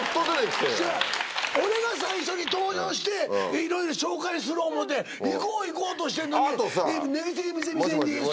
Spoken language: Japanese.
俺が最初に登場していろいろ紹介する思うて行こう行こうとしてんのに。とか言うて。